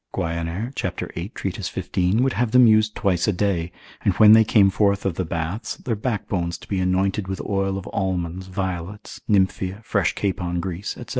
Guianer, cap. 8. tract. 15, would have them used twice a day, and when they came forth of the baths, their back bones to be anointed with oil of almonds, violets, nymphea, fresh capon grease, &c.